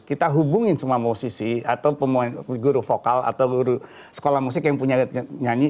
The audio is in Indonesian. kita hubungin semua musisi atau guru vokal atau guru sekolah musik yang punya nyanyi